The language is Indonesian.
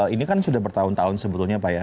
ini kan sudah bertahun tahun sebetulnya pak ya